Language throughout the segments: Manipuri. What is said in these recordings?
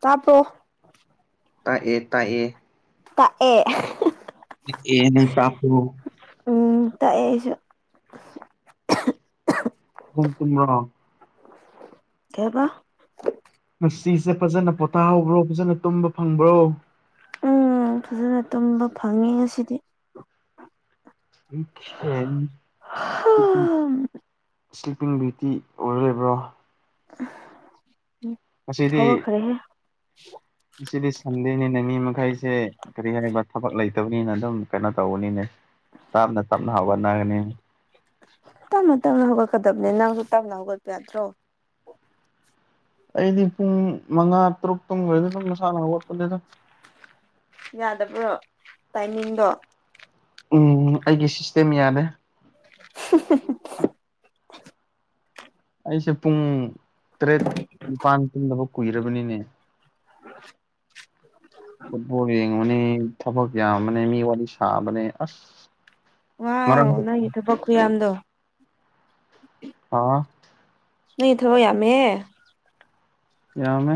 ꯇꯥꯄ꯭ꯔꯣ ꯇꯥꯛꯑꯦ ꯇꯥꯛꯑꯦ ꯇꯥꯛ ꯑꯦ ꯑꯦ ꯅꯪ [unintelligible] ꯎꯝ ꯇꯛꯑꯦ ꯑꯩꯁꯨ [unintelligible] ꯀꯩꯕꯥ ꯃꯁꯤꯁꯦ ꯐꯖꯅ ꯄꯣꯊꯥꯍꯧꯕ꯭ꯔꯣ ꯐꯖꯅ ꯇꯨꯝꯕ ꯐꯪꯕ꯭ꯔꯣ ꯎꯝ ꯐꯖꯅ ꯇꯨꯝꯕ ꯐꯪꯉꯦ ꯉꯁꯤꯗꯤ ꯎꯝ [unintelligible] ꯁ꯭ꯂꯤꯞꯄꯤꯡ ꯕ꯭ꯌꯨꯇꯤ ꯑꯣꯏꯔ ꯂꯩꯕ꯭ꯔꯥ ꯉꯁꯤꯗꯤ ꯍꯧꯒꯠꯈꯔꯦꯍꯦ ꯉꯁꯤꯗꯤ ꯁꯟꯗꯦꯅꯤꯅ ꯃꯤ ꯃꯈꯩꯁꯦ ꯀꯔꯤ ꯍꯥꯏꯔꯤꯕ ꯊꯕꯛ ꯂꯩꯇꯕꯅꯤꯅ ꯑꯗꯨꯝ ꯀꯩꯅꯣ ꯇꯧꯕꯅꯤꯅꯦ ꯇꯥꯞꯅ ꯇꯞꯅ ꯍꯧꯒꯠꯅꯒꯅꯤ ꯇꯞꯅ ꯇꯞꯅ ꯍꯧꯒꯠꯀꯗꯕꯅꯤ ꯅꯪꯁꯨ ꯇꯞꯅ ꯍꯧꯒꯠꯄ ꯌꯥꯇ꯭ꯔꯣ ꯑꯩꯗꯤ ꯄꯨꯡ ꯃꯉꯥ ꯇꯔꯨꯛ ꯇꯨꯝꯒ꯭ꯔꯗꯤ ꯑꯗꯨꯝ ꯃꯁꯥꯅ ꯍꯧꯒꯠꯄꯅꯦꯗ ꯌꯥꯗꯕ꯭ꯔꯣ ꯇꯥꯏꯃꯤꯡꯗꯣ ꯎꯝ ꯑꯩꯒꯤ ꯁꯤꯁꯇꯦꯝ ꯌꯥꯗꯦ [unintelligible] ꯑꯩꯁꯦ ꯄꯨꯡ ꯇꯔꯦꯠ ꯅꯤꯄꯥꯥꯟ ꯇꯨꯝꯗꯕ ꯀꯨꯏꯔꯕꯅꯤꯅꯦ ꯐꯨꯠꯕꫭꯜ ꯌ°ꯡꯉꯨꯅꯤ ꯊꯕꯛ ꯌꯥꯝꯕꯅ° ꯃꯤ ꯋꯥꯔꯤ ꯁꯥꯕꯅ° ꯑꯁ ꯋꯥꯎ ꯉꯔꯥꯡ ꯅꯪꯒꯤ ꯊꯕꯛ ꯈꯨꯌꯥꯝꯗꫭ [unintelligible] ꯅꯪꯒꯤ ꯊꯕꯛ ꯌꯥꯝꯃꯦꯍ° ꯌꯥꯝꯃꯦ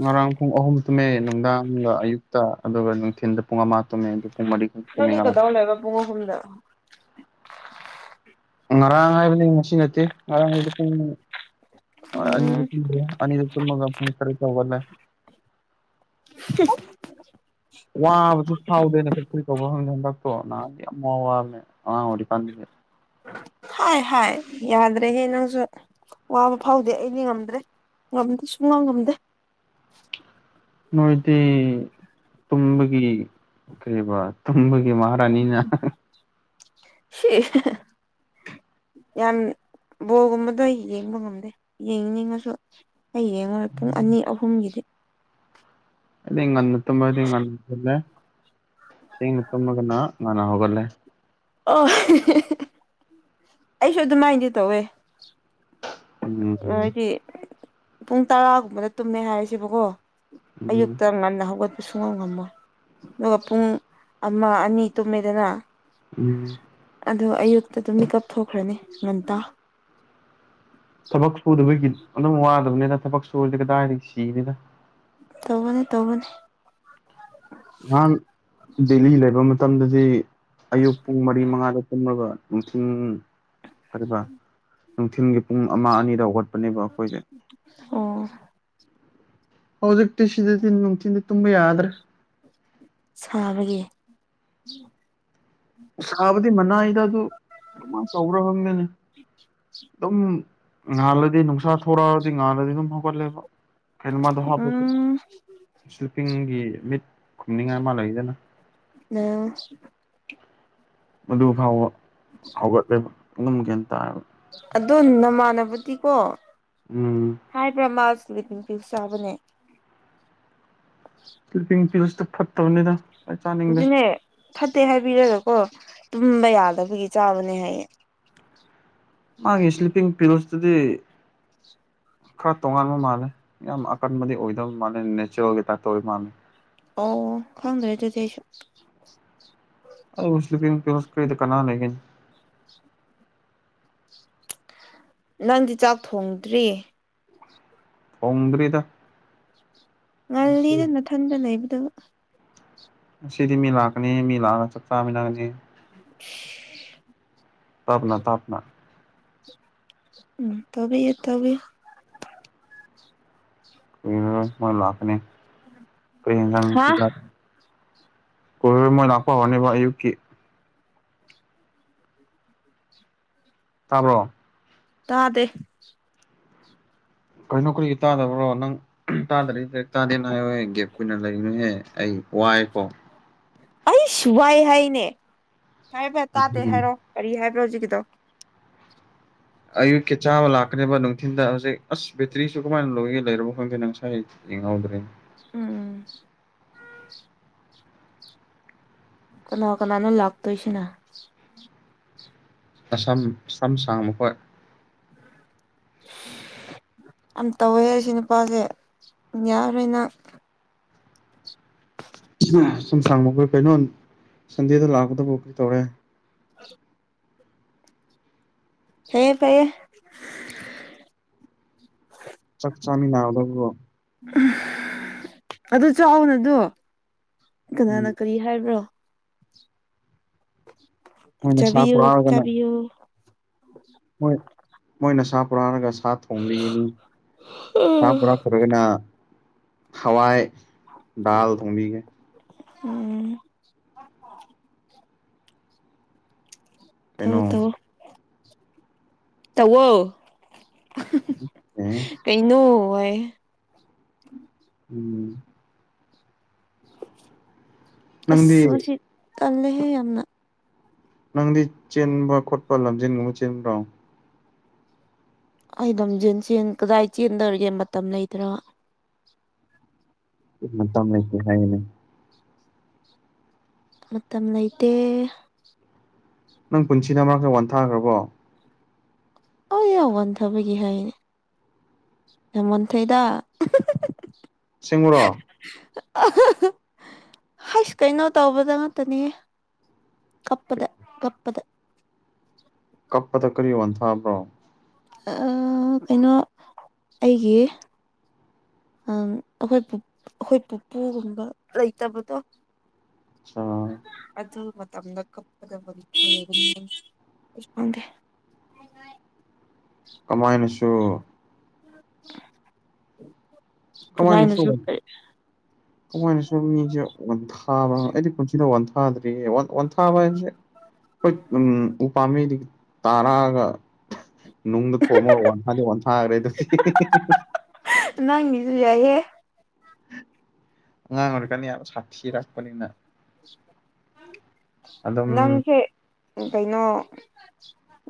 ꯉꯔꯥꯡ ꯄꯨꯡ ꯑꯍꯨꯝ ꯇꯨꯝꯃꯦ ꯅꯨꯡꯗꯥꯡꯒ ꯑꯌꯨꯛꯇ ꯑꯗꯨꯒ ꯅꯨꯡꯊꯤꯟꯗ ꯄꯨꯡ ꯑꯃ ꯇꯨꯝꯃꯦ ꯑꯗꯨ ꯄꯨꯡ ꯃꯔꯤ ꯇꯨꯝꯃꯦ ꯅꯪꯗꯤ ꯉꯔꯥꯡ ꯀꯗꯧꯔ ꯂꯩꯕ ꯄꯨꯡ ꯑꯍꯨꯝꯗ ꯉꯔꯥꯡ ꯍꯥꯏꯕꯅꯤ ꯉꯁꯤ ꯅꯠꯇꯦ ꯉꯔꯥꯡ ꯍꯥꯏꯕ ꯄꯨꯡ ꯑꯅꯤꯗ ꯎꯝ ꯇꯨꯝꯗ꯭ꯔ° ꯑꯅꯤꯗ ꯇꯨꯝꯃꯒ ꯄꯨꯡ ꯇꯔ°ꯠꯇ ꯍꯧꯒꯠꯂ° [unintelligible] ꯋꯥꯕꯁꯨ ꯐꯥꯎꯗꯦꯅ [unintelligible] ꯀ꯭ꯔꯤ ꯀꯧꯕ꯭ꯔꯣ ꯈꯪꯗꯦ ꯍꯟꯗꯛꯇꯣ ꯅꯍꯥꯟꯗꯤ ꯌꯥꯝꯅ ꯋꯥ ꯋꯥꯕꯅ° ꯑꯉꯥꯡ ꯑꫭꯏꯔꯤꯀꯥꯟꯗꯗꯤ ꯍꯥꯏ ꯍꯥꯏ ꯌꯥꯗ꯭ꯔꯦꯍꯦ ꯅꯪꯁꯨ ꯋꯥꯕ ꯐꯥꯎꯗꯦ ꯑꯩꯗꯤ ꯉꯝꯗ꯭ꯔꯦ ꯉꯝꯗꯦ ꯁꯨꯡꯉꯝ ꯉꯝꯗꯦ ꯅꯣꯏꯗꯤ ꯇꯨꯝꯕꯒꯤ ꯀꯩꯕ ꯇꯨꯝꯕꯒꯤ ꯃꯍꯥ ꯔꯥꯅꯤꯅ [unintelligible] ꯌꯥꯝ ꯕꯣꯜꯒꯨꯝꯕꯗꯣ ꯌꯦꯡꯕ ꯉꯝꯗꯦ ꯌꯦꯡꯅꯤꯡꯉꯁꯨ ꯑꯩ ꯌꯦꯡꯉꯣꯏ ꯄꯨꯡ ꯑꯅꯤ ꯑꯍꯨꯝꯒꯤꯗꯤ ꯑꯩꯗꯤ ꯉꯟꯅ ꯇꯨꯝꯃꯗꯤ ꯉꯟꯅ [unintelligible] ꯊ°ꯡꯅ ꯇꯨꯝꯃꯒꯅ ꯉꯟꯅ ꯍꯧꯒꯠꯂꯦ ꯑꯣ [unintelligible] ꯑꯩꯁꯨ ꯑꯗꯨꯃꯥꯏꯅꯗꯤ ꯇꯧꯋꯦ ꯎꯝ ꯅꯣꯢꯗꯤ ꯄꯨꯡ ꯇꯔꯥꯒꯨꯝꯕꯗ ꯇꯨꯝꯃꯦ ꯍꯥꯏꯔꯁꯦꯕꯀꯣ ꯎꯝ ꯑꯌꯨꯛꯇ ꯉꯟꯅ ꯍꯧꯒꯠ ꯄ ꯁꯨꯡꯉꯝ ꯉꯝꯃꯣꯏ ꯑꯗꯨꯒ ꯄꯨꯡ ꯑꯃ ꯑꯅꯤ ꯇꯨꯝꯃꯦꯗꯅꯥ ꯎꯝ ꯑꯗꯣ ꯑꯌꯨꯛꯇ ꯑꯗꯨꯝ ꯃꯤꯠꯀꯞ ꯊꯣꯛꯈ꯭ꯔꯅꯤ ꯉꯟꯇꯥ ꯊꯕꯛ ꯁꯨꯗꯕꯒꯤ ꯑꯗꯨꯝ ꯋꯥꯗꯕꯅꯤꯗ ꯊꯕꯛ ꯁꯨꯨꯔꯗꯤ ꯀꯗꯥꯏꯗꯒꯤ ꯁꯤꯅꯤꯗ ꯇꯧꯕꯅ° ꯇꯧꯕꯅ° ꯉꯍꯥꯟ ꯗꯦꯜꯂꯤ ꯂꯩꯕ ꯃꯇꯝꯗꯗꯤ ꯑꯌꯨꯛ ꯄꯨꯡ ꯃꯔꯤ ꯃꯉꯥꯗ ꯇꯨꯝꯃꯒ ꯅꯨꯡꯊꯤꯟ ꯑꯗꯨꯒ ꯅꯨꯡꯊꯤꯟꯒꯤ ꯄꯨꯡ ꯑꯃ ꯑꯅꯤꯗ ꯍꯧꯒꯠꯄꯅꯦꯕ ꯑꯈꯣꯏꯁꯦ ꯑꯣ ꯍꯧꯖꯤꯛꯇꯤ ꯁꯤꯗꯗꯤ ꯅꯨꯡꯊꯤꯟꯗꯤ ꯇꯨꯝꯕ ꯌꯥꯗ꯭ꯔꯦ ꯁꯥꯕꯒꯤ ꯁꯥꯥꯕꯗꯤ ꯃꯅꯥꯏꯗ ꯑꯗꯨ ꯀꯃꯥꯏ ꯇꯧꯕ꯭ꯔ ꯈꯪꯗꯦꯅꯦ ꯇꯨꯝ ꯉꯥꯜꯂꯗꯤ ꯅꯨꯡꯁꯥ ꯊꯣꯔꯛꯑꯗꯤ ꯉꯥꯜꯂꯗꯤ ꯑꯗꯨꯝ ꯍꯧꯒꯠꯂꯦꯕ ꯀꯩꯅꯣ ꯃꯥꯗꯣ ꯍꯥꯞꯄꯁꯨ ꯎꯝ ꯁ꯭ꯂꯤꯞꯄꯤꯡꯒꯤ ꯃꯤꯠ ꯈꯨꯝꯅꯤꯡꯉꯥꯏ ꯑꯃꯥ ꯂꯩꯗꯅꯥ ꯂꯩꯌ‌ꯣ ꯃꯗꯨ ꯐꯥꯎꯕ ꯍꯧꯒꯠꯂꯦꯕ ꯑꯗꯨꯝ ꯒ꯭ꯌꯥꯟ ꯇꯥꯏꯕ ꯑꯗ‌ꯣ ꯅꯃꯥꯟꯅꯕꯗꯤꯀꯣ ꯎꯝ ꯍꯥꯏꯕ꯭ꯔꯥ ꯃꯥꯁ ꯁ꯭ꯂꯤꯞꯄꯤꯡ ꯄꯤꯜ ꯆꯥꯕꯅꯦ ꯁ꯭ꯂꯤꯞꯄꯤꯡ ꯄꯤꯜꯁꯇꯨ ꯐꯠꯇꯕꯅꯤꯗ ꯑꯩ ꯆꯥꯅꯤꯡꯗꯦ ꯑꯗꯨꯅꯦ ꯐꯠꯇꯦ ꯍꯥꯏꯕꯤꯔꯒꯀꯣ ꯇꯨꯝꯕ ꯌꯥꯗꯕꯒꯤ ꯆꯥꯕꯅꯦ ꯍꯥꯏꯌꯦ ꯃꯥꯒꯤ ꯏꯁ꯭ꯂꯤꯞꯄꯤꯡ ꯄꯤꯜꯁꯇꯨꯗꯤ ꯈꯔ ꯇꯣꯉꯥꯟꯕ ꯃꯥꯜꯂꯦ ꯌꯥꯝ ꯑꯀꯟꯕꯗꯤ ꯑꯣꯏꯗꯕ ꯃꯥꯜꯂꯦ ꯅꯦꯆꯔꯦꯜꯒꯤ ꯇꯥꯏꯞꯇ ꯑꯣꯏꯕ ꯃꯥꯜꯂꯦ ꯑꯣ ꯈꯪꯗ꯭ꯔꯦ ꯑꯗꯨꯗꯤ ꯑꯩꯁꯨ ꯑꯧ ꯏꯁꯂꯤꯄꯤꯡ ꯄꯤꯜꯁ ꯀꯔꯤ ꯗꯨꯀꯥꯟꯅ ꯂꯩꯒ‌ꯦ ꯎ ꯅꯪꯗꯤ ꯆꯥꯛ ꯊꯣꯡꯗ꯭ꯔꯤ [inaudible] ꯊꫭꯡꯗ꯭ꯔꯤꯗ ꯉꯜꯂꯤꯗ ꯅꯥꯊꯟꯗ ꯂꯩꯕꯗꯨ ꯉꯁꯤꯗꯤ ꯃꯤ ꯂꯥꯛꯀꯅꯤ ꯃꯤ ꯂꯥꯛꯑꯒ ꯆꯥꯛ ꯆꯥꯃꯤꯟꯅꯔꯅꯤ ꯎꯝ ꯇꯥꯞꯅ ꯇꯥꯞꯅ ꯎꯝ ꯇꯧꯕꯤꯌꯨ ꯇꯕꯤ ꯎꯝ ꯃꯣꯏ ꯂꯥꯛꯀꯅꯤ ꯀꯩ ꯌꯦꯟꯖꯥꯡ ꯍꯥ ꯄꯤꯖꯥ [inaudible] ꯀꯣ [unintelligible] ꯃꯣꯏ ꯂꯥꯛꯄ ꯍꯧꯔꯅꯤꯕ ꯑꯌꯨꯛꯀꯤ [inaudible] ꯇꯥꯕ꯭ꯔꯣ ꯇꯥꯗꯦ ꯀꯩꯅꯣ ꯀꯔꯤꯒꯤ ꯇꯥꯗꯕ꯭ꯔꯣ ꯅꯪ [unintelligible] ꯇꯥꯗꯔꯤꯗꯤ ꯇꯥꯗꯦꯅ ꯍꯥꯏꯌ‌ꯣꯍ‌ꯦ ꯒ‌ꯦꯞ ꯑꯣꯏꯅ ꯂꯩꯅꯤꯍꯦ ꯑꯩ ꯋꯥꯏꯀꯣ ꯑꯩꯆ ꯋꯥꯏ ꯍꯥꯏꯅꯦ ꯍꯥꯏꯕ ꯇꯥꯗꯦ ꯍꯥꯏꯔꯣ ꯀꯔꯤ ꯍꯥꯏꯕ꯭ꯔꯣ ꯍꯧꯖꯤꯛꯀꯤꯗꯣ ꯑꯌꯨꯛꯀꯤ ꯆꯥꯕ ꯂꯥꯛꯀꯅꯦꯕ ꯅꯨꯡꯊꯤꯟꯗ ꯍꯧꯖꯤꯛ ꯑꯁ ꯕꯦꯇ꯭ꯔꯤꯁꯨ ꯀꯃꯥꯏꯟ ꯂꯣꯏꯒꯦ ꯂꯩꯔꯕ‌ꯣ ꯈꯪꯗꯦꯅ‌ꯦ ꯉꯁꯥꯏ ꯌꯦꯡꯍꯧꯗ꯭ꯔꯦꯟ ꯎꯝ ꯀꯅꯥ ꯀꯅꯥꯅꯣ ꯂꯥꯛꯇꯣꯏꯁꯤꯅ ꯑꯁꯝ ꯁꯝ ꯁꯥꯡꯕ ꯈ‌ꯣꯏ ꯑꯝ ꯇꯧꯋꯦ ꯑꯁꯤ ꯅꯨꯄꯥꯁꯦ ꯌꯥꯔꯔ‌ꯣꯏ ꯅꯪ ꯁꯨꯝ [unintelligible] ꯀꯩꯅꯣ ꯁꯟꯗꯦꯗ ꯂꯥꯛꯄꯗꯕꯨ ꯀ꯭ꯔꯤ ꯇꯧꯔꯦ [inaudible] ꯐꯩꯌꯦ ꯐꯩꯌ‌ꯦ ꯆꯥꯛ ꯆꯥꯃꯤꯟꯅꯕꯗꯕꯨ ꯑꯗꯨ ꯆꯥꯎꯅ‌ꯣꯗꯣ ꯀꯅꯥꯅ ꯎꯝ ꯀꯔꯤ ꯍꯥꯏꯕ꯭ꯔꯣ ꯃꯣꯏꯅ ꯁꯥ ꯆꯥꯕꯤꯌꯨ ꯆꯥꯕꯤꯌꯨ ꯃ‌ꯣꯏ ꯃꯣꯏꯅ ꯁꯥ ꯄꯨꯔꯑꯒ ꯁꯥ ꯊꯣꯡꯕꯤꯒꯅꯤ ꯁꯥ ꯄꯨꯔꯛ ꯇ꯭ꯔꯒꯅ ꯍꯋꯥꯏ ꯗꯥꯜ ꯊꯣꯡꯕꯤꯒꯦ ꯎꯝ ꯀꯩꯅꯣ ꯊꯕꯛ ꯇꯧ ꯇꯧꯋ‌ꯣ ꯎꯝ [unintelligible] ꯀꯩꯅꯣ ꯋꯥꯌꯦ ꯎꯝ ꯑ꯭ꯁ ꯅꯪꯗꯤ ꯃꯁꯤ ꯇꯜꯂꯦꯍꯦ ꯌꯥꯝꯅ ꯅꯪꯗꯤ ꯆꯦꯟꯕ ꯈꯣꯠꯄ ꯂꯝꯖꯦꯟꯒꯨꯝꯕ ꯆꯦꯟꯕ꯭ꯔꯣ ꯑꯩ ꯂꯝꯖꯦꯟ ꯆꯦꯟ ꯀꯗꯥꯏ ꯆꯦꯟꯗꯧꯔꯤꯒꯦ ꯃꯇꯝ ꯂꯩꯇ꯭ꯔꯥ ꯏ꯭ꯍ ꯃꯇꯝ ꯂꯩꯇꯦ ꯍꯥꯏꯌꯦꯅꯦ ꯃꯇꯝ ꯂꯩꯇꯦ ꯅꯪ ꯄꯨꯟꯁꯤꯗ ꯑꯃꯔꯛ ꯈꯔ [unintelligible] ꯋꯥꯟꯊꯈ꯭ꯔꯕꯣ ꯑꯧꯌꯥ ꯋꯥꯟꯊꯕꯒꯤ ꯍꯥꯏꯅꯦ ꯌꯥꯝ ꯋꯥꯟꯊꯩꯗ ꯑꯁꯦꯡꯕꯔꯣ ꯑ ꯍꯥꯏꯁ ꯀꯩꯅꯣ ꯇꯧꯕꯗ ꯉꯥꯛꯇꯅꯤꯍꯦ ꯀꯞꯄꯗ ꯀꯞꯄꯗ ꯀꯞꯄꯗ ꯀꯔꯤ ꯋꯥꯟꯊꯕ꯭ꯔꯣ ꯑꯩ ꯀꯩꯅꯣ ꯑꯩꯒꯤ ꯑ ꯑꯩꯈꯣꯏ ꯑꯩꯈꯣꯏ ꯄꯨꯄꯨꯒꯨꯝꯕ ꯂꯩꯇꯕꯗꯣ ꯑꯆꯥ ꯑꯗꯨ ꯃꯇꯝꯗ ꯀꯞꯄꯗ ꯋꯥꯟꯊ [unintelligible] ꯑꯩꯁꯨ ꯈꯪꯗꯦ ꯀꯃꯥꯏꯅꯁꯨ ꯀꯃꯥꯏꯅ ꯁꯤ ꯀꯃꯥꯏꯅꯁꯨ ꯀꯃꯥꯏꯅ ꯁꯨ ꯃꯤꯁꯦ ꯋꯥꯟꯊ ꯍ [unintelligible] ꯑꯩꯗꯤ ꯄꯨꯟꯁꯤꯗ ꯋꯥꯟꯊꯗꯔꯤꯌꯦ ꯋꯥꯟꯊꯥꯕ ꯍꯥꯏꯕꯁꯦ ꯍꯏ ꯎꯝ ꯎ ꯄꯥꯝꯕꯤꯗꯒꯤ ꯇꯥꯔꯛꯑꯒ ꯅꯨꯡꯗ ꯊꯣꯝꯃꯒ ꯋꯥꯟꯊꯥꯗꯤ ꯋꯥꯟ ꯊꯥꯈ꯭ꯔꯦ ꯗꯨꯗꯤ ꯅꯪꯒꯤꯁꯨ ꯌꯥꯏꯍꯦ ꯑꯉꯥꯡ ꯑꯣꯏꯔꯤꯀꯟ ꯌꯥꯝ ꯁꯥꯊꯤꯔꯛꯄꯅꯤꯅ ꯑꯗꯨꯝ ꯅꯪꯁꯦ ꯎꯝ ꯀꯩꯅꯣ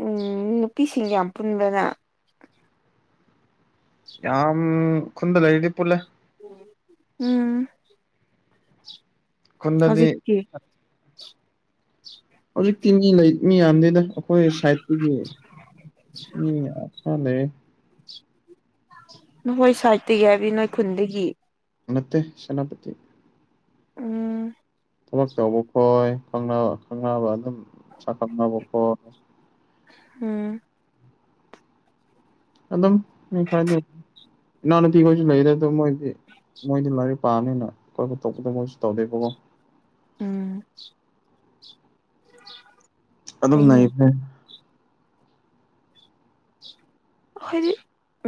ꯎꯝ ꯅꯨꯄꯤꯁꯤꯡ ꯌꯥꯝ ꯄꯨꯟꯕ꯭ꯔꯥ ꯅꯪ ꯌꯥꯝ ꯈꯨꯟꯗ ꯂꯩꯏꯔꯗꯤ ꯄꯨꯂꯦ ꯎꯝ ꯈꯨꯟꯗꯗꯤ ꯍꯧꯖꯤꯛꯇꯤ ꯍꯧꯖꯤꯛꯇꯤ ꯃꯤ ꯂꯩ ꯃꯤ ꯌꯥꯝꯗꯦꯗ ꯑꯩꯈꯣꯏ ꯁꯥꯏꯠ [unintelligible] ꯎꯝ [unintelligible] ꯐꯂꯦ [unintelligible] ꯅꯈꯣꯏ ꯁꯥꯏꯗꯇꯒꯤ ꯍꯥꯏꯕꯗꯤ ꯅꯣꯏ ꯈꯨꯟꯗꯒꯤ ꯅꯠꯇꯦ ꯁꯦꯅꯥꯄꯇꯤ ꯎꯝ ꯊꯕꯛ ꯇꯧꯕ ꯈꯣꯏ ꯈꯪꯅꯕ ꯈꯪꯅꯕ ꯑꯗꯨꯝ ꯁꯈꯪꯅꯕ ꯈꯣꯏ ꯎꯝ ꯑꯗꯨꯝ ꯃꯤ ꯈꯔꯗꯤ ꯏꯅꯥꯎꯅꯨꯄꯤꯈꯣꯏꯁꯨ ꯂꯩꯗ ꯑꯗꯨꯝ ꯃꯣꯏꯗꯤ ꯃꯣꯏꯗꯤ ꯂꯥꯏꯔꯤꯛ ꯄꯥꯕꯅꯤꯅ ꯀꯣꯏꯕ ꯇꯧꯗꯣ ꯃꯣꯏꯁꯨ ꯇꯧꯗꯦꯀꯣ ꯎꯝ [inaudible] ꯑꯗꯨꯝ ꯐꯩꯅꯦ ꯂꯩꯈ꯭ꯔꯦ ꯈꯣꯏꯗꯤ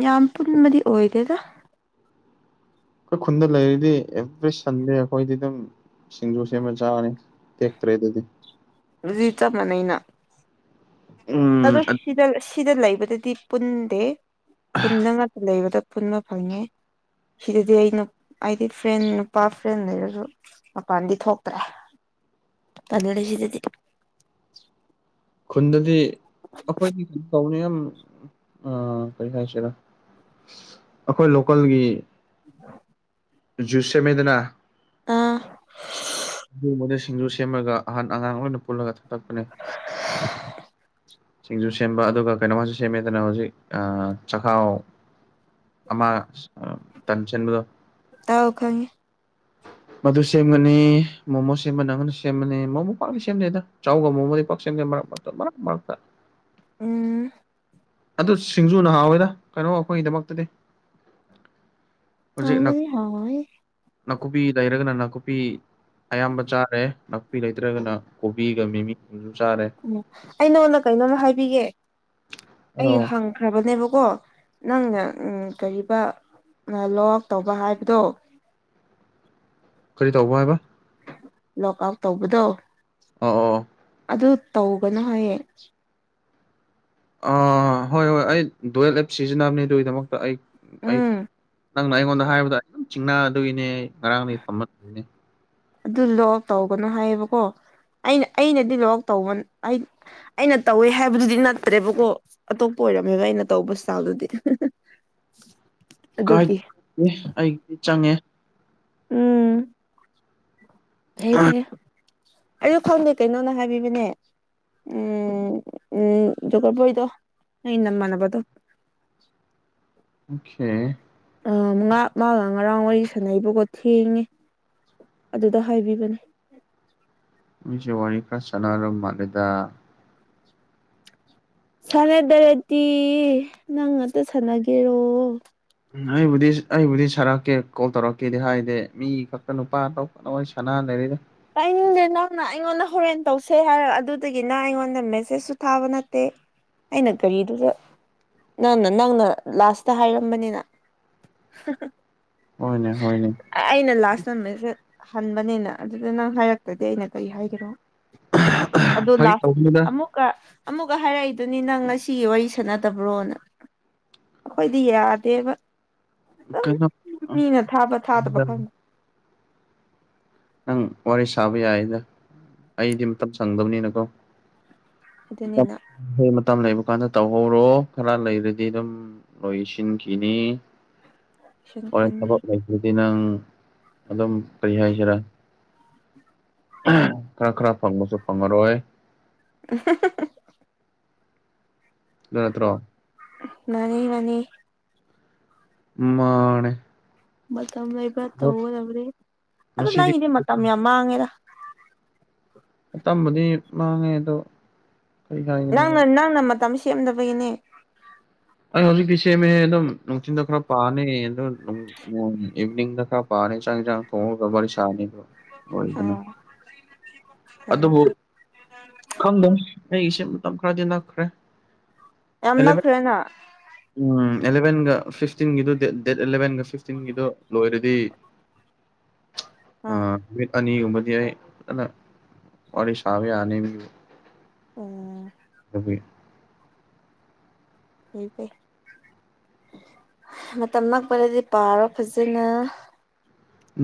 ꯌꯥꯝ ꯄꯨꯟꯕꯗꯤ ꯑꯣꯏꯗꯦꯗ ꯑꯩꯈꯣꯏ ꯈꯨꯟꯗ ꯂꯩꯔꯤꯗꯤ ꯑꯦꯕ꯭ꯔꯤ ꯁꯟꯗꯦ ꯑꯩꯈꯣꯏꯗꯤ ꯑꯗꯨꯝ ꯁꯤꯡꯖꯨ ꯁꯦꯝꯕ ꯆꯥꯔꯅꯤ ꯇꯦꯛꯇ꯭ꯔꯦ ꯑꯗꯨꯗꯤ ꯑꯗꯨꯗꯤ ꯆꯞ ꯃꯥꯟꯅꯩꯅ ꯎꯝ ꯑꯗꯨ ꯁꯤꯗ ꯁꯤꯗ ꯂꯩꯕꯗꯗꯤ ꯄꯨꯟꯗꯦ ꯈꯨꯟꯗ ꯉꯥꯛꯇ ꯂꯩꯕꯗ ꯄꯨꯟꯕ ꯐꯪꯉꯤ ꯁꯤꯗꯗꯤ ꯑꯩꯅ ꯑꯩꯗꯤ ꯐ꯭ꯔꯦꯟ ꯅꯨꯄꯥ ꯐ꯭ꯔꯦꯟ ꯂꯩꯔꯁꯨ ꯃꯄꯜꯗꯤ ꯊꯣꯛꯇ꯭ꯔꯦ ꯇꯜꯂꯤ ꯁꯤꯗꯗꯤ ꯈꯨꯟꯗꯗꯤ ꯑꯩꯈꯣꯏꯗꯤ ꯀꯩꯅꯣ ꯇꯧꯕꯅꯤ ꯌꯥꯝ ꯑꯥ ꯀꯔꯤ ꯍꯥꯏꯁꯤꯔ ꯑꯩꯈꯣꯏ ꯂꯣꯀꯜꯒꯤ [inaudible] ꯖꯨꯁ ꯁꯦꯝꯃꯦꯗꯅ ꯑꯥ ꯎ ꯃ [unintelligible] ꯁꯤꯡꯖꯨ ꯁꯦꯝꯃꯒ ꯑꯍꯟ ꯑꯉꯥꯡ ꯂꯣꯏ ꯑꯣꯏꯅ ꯄꯨꯜꯂꯒ ꯊꯥꯛꯄꯅꯦ ꯁꯤꯡꯖꯨ ꯁꯦꯝꯕ ꯑꯗꯨꯒ ꯀꯩꯅꯣꯁꯨ ꯁꯦꯝꯃꯦꯗꯅ ꯍꯧꯖꯤꯛ ꯑꯥ ꯆꯥꯍꯥꯎ ꯑꯃ ꯑꯥ ꯇꯟꯁꯤꯟꯕꯗꯨ ꯑꯥꯎ ꯈꯪꯉꯤ ꯃꯗꯨ ꯁꯦꯝꯒꯅꯤ ꯃꯣꯃꯣ ꯁꯦꯝꯃ ꯅꯪꯉꯗꯤ ꯁꯦꯝꯃꯅꯤ ꯃꯣꯃꯣ ꯄꯥꯛꯅ ꯁꯦꯝꯗꯦꯗ ꯆꯥꯎꯒ ꯃꯣꯃꯣꯗꯤ ꯄꯥꯛ ꯁꯦꯝꯗꯦ ꯃꯔꯛ ꯃꯔꯛꯇ ꯃꯔꯛ ꯃꯔꯛꯇ ꯎꯝ ꯑꯗꯨ ꯁꯤꯡꯖꯨꯅ ꯍꯥꯎꯋꯦꯗ ꯀꯩꯅꯣ ꯑꯩꯈꯣꯏꯒꯤꯗꯃꯛꯇꯗꯤ ꯍꯧꯖꯤꯛ ꯍꯥꯎꯕꯗꯤ ꯍꯥꯎꯋꯦ ꯅꯥꯀꯨꯞꯄꯤ ꯂꯩꯔꯒꯅ ꯅꯥꯀꯨꯞꯄꯤ ꯑꯌꯥꯝꯕ ꯆꯥꯔꯦ ꯅꯥꯀꯨꯞꯄꯤ ꯂꯩꯇ꯭ꯔꯒꯅ ꯀꯣꯕꯤꯒ ꯃꯤꯃꯤ ꯆꯥꯔꯦ ꯑꯣ ꯑꯩ ꯅꯉꯣꯟꯗ ꯀꯩꯅꯣꯝꯃ ꯍꯥꯏꯕꯤꯒꯦ ꯑꯩ ꯑꯣ ꯍꯪꯉ ꯐꯈ꯭ꯔꯕꯅꯦꯕꯀꯣ ꯅꯪꯅ ꯎꯝ ꯀꯔꯤꯕ ꯂꯣꯛꯋꯥꯛ ꯇꯧꯕ ꯍꯥꯏꯕꯗꯣ ꯀꯔꯤ ꯇꯧꯕ ꯍꯥꯏꯕ ꯂꯣꯛ ꯑꯥꯎꯠ ꯇꯧꯕꯗꯣ ꯑꯣ ꯑꯣ ꯑꯗꯨ ꯇꯧꯒꯅꯨ ꯍꯥꯏꯌꯦ ꯑꯥ ꯍꯣꯏ ꯍꯣꯏ ꯑꯩ ꯗꯨꯋꯦꯜ ꯑꯦꯞ ꯁꯤꯖꯤꯟꯅꯕꯅꯦ ꯑꯗꯨꯒꯤꯗꯃꯛꯇ ꯑꯩ ꯑꯩ ꯎꯝ ꯅꯪꯅ ꯑꯩꯉꯣꯟꯗ ꯍꯥꯏꯕꯗ ꯑꯩ ꯑꯗꯨꯝ ꯆꯤꯡꯅꯗꯣꯏꯅꯦ ꯉꯔꯥꯡꯗꯒꯤ ꯊꯝꯃꯦ ꯑꯗꯨ ꯂꯣꯛ ꯑꯥꯎꯠ ꯇꯧꯒꯅꯨ ꯍꯥꯏꯌꯦꯕꯀꯣ ꯑꯩꯅ ꯑꯩꯅꯗꯤ ꯂꯣꯛ ꯇꯧꯕ ꯑꯩ ꯑꯩꯅ ꯇꯧꯋꯦ ꯍꯥꯏꯕꯗꯨꯗꯤ ꯅꯠꯇ꯭ꯔꯦꯕꯀꯣ ꯑꯇꯣꯞꯄ ꯑꯣꯏꯔꯝꯃꯦꯕ ꯑꯩꯅ ꯇꯧꯕ ꯢꯁꯇꯥꯜꯗꯨꯗꯤ [inaudible] ꯀꯥꯏ [unintelligible] ꯑꯩꯒꯤꯗꯤ ꯆꯪꯉꯦ ꯎꯝ ꯐꯩꯌꯦ ꯐꯩꯌꯦ ꯑꯩ ꯈꯪꯗꯦ ꯀꯩꯅꯣꯅ ꯍꯥꯏꯕꯤꯕꯅꯦ ꯎꯝ ꯎꯝ ꯖꯣꯒꯔꯕꯣꯢꯗꯣ ꯅꯪ ꯅꯃꯥꯟꯅꯕꯗꯣ ꯑꯣꯀꯦ ꯑꯥ ꯃꯥꯒ ꯉꯔꯥꯡ ꯋꯥꯔꯤ ꯁꯥꯟꯅꯩꯕꯀꯣ ꯊꯦꯡꯉꯦ ꯑꯗꯨꯗ ꯍꯥꯏꯕꯤꯕꯅꯦ ꯃꯤꯁꯦ ꯋꯥꯔꯤ ꯈꯔ ꯁꯥꯟꯅꯔ ꯃꯜꯂꯦꯗ ꯁꯥꯟꯅꯗ꯭ꯔꯗꯤ ꯅꯪ ꯉꯛꯇ ꯁꯥꯟꯅꯒꯦꯔꯣ ꯎꯝ ꯑꯩꯕꯨꯗꯤ ꯑꯩꯕꯨꯗꯤ ꯁꯥꯔꯛꯀꯦ ꯒꯣꯜ ꯇꯧꯔꯛꯀꯦꯗꯤ ꯍꯥꯏꯗꯦ ꯃꯤ ꯈꯛꯇ ꯅꯨꯄꯥ ꯑꯇꯣꯞꯄꯒ ꯁꯥꯟꯅ ꯂꯩꯔꯦꯗ ꯇꯤꯅꯤꯡꯗꯦ ꯅꯪꯅ ꯑꯩꯉꯣꯟꯗ ꯍꯣꯔꯦꯟ ꯇꯧꯁꯦ ꯍꯥꯏꯔ ꯑꯗꯨꯗꯒꯤ ꯅꯪ ꯑꯩꯉꯣꯟꯗ ꯃꯦꯁꯦꯁꯁꯨ ꯊꯥꯕ ꯅꯠꯇꯦ ꯑꯩꯅ ꯒꯥꯔꯤꯗꯨꯁꯨ ꯅꯪꯅ ꯅꯪꯅ ꯂꯥꯁꯇ ꯍꯥꯏꯔꯝꯕꯅꯤꯅ ꯍ ꯍꯣꯏꯅꯦ ꯍꯣꯏꯅꯦ ꯑꯩ ꯑꯩꯅ ꯂꯥꯁꯇ ꯃꯦꯁꯦ ꯍꯟꯕꯅꯤꯅ ꯑꯗꯨꯗ ꯅꯪ ꯍꯥꯏꯔꯛꯇꯗꯤ ꯑꯩꯅ ꯀꯔꯤ ꯍꯥꯏꯒꯔꯣ ꯑꯗꯨ ꯐꯥꯒꯤ ꯂꯥꯁ ꯇꯧꯕꯅꯤꯗ ꯑꯃꯨꯛ ꯀ ꯑꯃꯨꯛꯀ ꯍꯥꯏꯔꯛꯏꯗꯨꯅꯤ ꯅꯪ ꯉꯁꯤꯒꯤ ꯋꯥꯔꯤ ꯁꯥꯟꯅꯗꯕ꯭ꯔꯣꯅ ꯑꯩꯈꯣꯏꯗꯤ ꯌꯥꯗꯦꯕ ꯑꯗꯨꯝ ꯀꯩꯅꯣ ꯃꯤꯅ ꯊꯥꯕ ꯊꯥꯗꯕ ꯈꯪꯗꯦ ꯅꯪ ꯋꯥꯔꯤ ꯁꯥꯕ ꯌꯥꯏꯌꯦꯗ ꯑꯩꯗꯤ ꯃꯇꯝ ꯁꯪꯗꯕꯅꯤꯅꯀꯣ ꯃꯇꯝ ꯑꯗꯨꯅꯤꯅ ꯃꯇꯝ ꯂꯩꯕ ꯀꯥꯟꯗ ꯇꯧꯍꯧꯔꯣ ꯈꯔ ꯂꯩꯔꯗꯤ ꯑꯗꯨꯝ ꯑꯣꯏꯗꯤꯟꯈꯤꯅꯤ ꯁꯟ ꯍꯣꯔꯦꯟ ꯁꯟ ꯊꯕꯛ ꯂꯩꯠꯔꯗꯤ ꯅꯪ ꯑꯗꯨꯝ ꯀꯔꯤ ꯍꯥꯏꯁꯤꯔꯥ ꯈꯔ ꯈꯔ ꯐꯪꯕꯁꯨ ꯐꯪꯉꯔꯣꯏ INAUDIBLE ꯅꯠꯇ꯭ꯔꯣ ꯃꯥꯅꯤ ꯃꯥꯅꯤ ꯃꯥꯅꯦ ꯃꯇꯝ ꯂꯩꯕ꯭ꯔꯥ ꯑꯗꯣ ꯇꯧꯒꯗꯕꯔꯤ ꯑꯗ ꯉꯁꯤꯗꯤ ꯅꯪꯒꯤꯗꯤ ꯃꯇꯝ ꯌꯥꯝ ꯃꯥꯡꯉꯦꯔ ꯇꯝꯕꯗꯤ ꯃꯥꯡꯉꯦ ꯑꯗꯣ ꯀꯔꯤ ꯍꯥꯏꯒꯅꯤ ꯅꯪꯅ ꯑꯗꯨꯝ ꯅꯪꯅ ꯃꯇꯝ ꯁꯦꯝꯗꯕꯒꯤꯅꯦ ꯑꯥ ꯍꯧꯖꯤꯛꯇꯤ ꯁꯦꯝꯃꯦꯍꯦ ꯑꯗꯨꯝ ꯅꯨꯪꯊꯤꯟꯗ ꯈꯔꯥ ꯄꯁꯤ ꯅꯤꯡꯗ ꯈꯥ ꯄꯥꯔꯅꯤ ꯆꯥꯛ ꯏꯟꯁꯥꯡ ꯊꯣꯡꯉꯒ ꯋꯥꯔꯤ ꯁꯔꯥꯅꯤ ꯗꯨꯒꯥ ꯑꯣ ꯐꯔꯦ ꯑꯗꯨꯕꯨ ꯐꯥ ꯈꯪꯗꯦ ꯑꯩꯒꯤꯁꯦ ꯃꯇꯝ ꯈꯔꯗꯤ ꯅꯛꯈ꯭ꯔꯦ ꯌꯥꯝ ꯑꯦꯂꯚꯦꯟ ꯅꯛꯈ꯭ꯔꯦꯅ ꯎꯝ ꯑꯦꯂꯕꯦꯟꯒ ꯐꯤꯐꯇꯤꯟꯒꯤꯗꯨ ꯗꯦꯠ ꯗꯦꯠ ꯑꯦꯂꯚꯦꯟꯒ ꯐꯤꯐꯇꯤꯟꯒꯤꯗꯨ ꯂꯣꯏꯔꯗꯤ ꯑ ꯑꯥ ꯅꯨꯃꯤꯠ ꯑꯅꯤꯒꯨꯝꯕꯥꯗꯤ ꯑꯩ ꯐꯖꯟꯅ ꯋꯥꯔꯤ ꯁꯥꯕ ꯌꯥꯅꯤ ꯑꯣ [unintelligible] ꯐꯩ ꯐꯩ ꯃꯇꯝ ꯅꯛꯄꯗꯗꯤ ꯄꯥꯔꯣ ꯐꯖꯟꯅ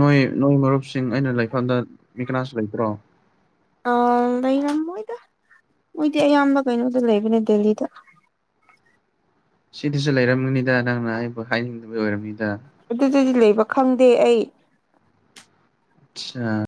ꯅꯣꯏ ꯅꯣꯏ ꯃꯔꯨꯞꯁꯤꯡ ꯑꯩꯅ ꯂꯩꯐꯝꯗ ꯃꯤ ꯀꯅꯥꯁꯨ ꯂꯩꯇ꯭ꯔꯣ ꯑ ꯂꯩꯔꯝꯃꯣꯏꯗ ꯃꯣꯏꯗꯤ ꯑꯌꯥꯝꯕ ꯀꯩꯅꯣꯗ ꯂꯩꯕꯅꯦ ꯗꯦꯜꯂꯤꯗ ꯁꯤꯗꯁꯨ ꯂꯩꯔꯝꯒꯅꯤꯗ ꯅꯪꯅ ꯑꯩꯕꯨ ꯍꯥꯏꯅꯤꯡꯗꯕꯩ ꯑꯣꯏꯔꯝꯅꯤꯗ ꯑꯗꯨꯗꯗꯤ ꯂꯩꯕ ꯈꯪꯗꯦ ꯑꯩ ꯑꯁꯥ